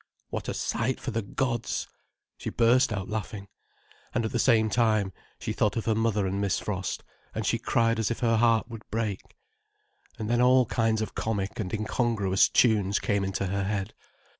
What a sight for the gods! She burst out laughing. And at the same time, she thought of her mother and Miss Frost, and she cried as if her heart would break. And then all kinds of comic and incongruous tunes came into her head.